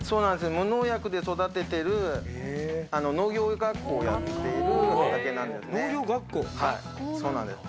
無農薬で育ててる農業学校をやってる畑なんですね。